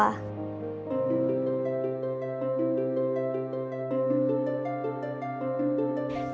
ดนตรี